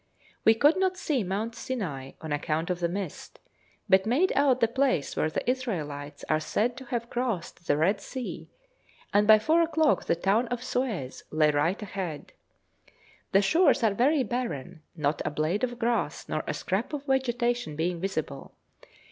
We could not see Mount Sinai on account of the mist, but made out the place where the Israelites are said to have crossed the Red Sea, and by four o'clock the town of Suez lay right ahead. The shores are very barren, not a blade of grass nor a scrap of vegetation being visible.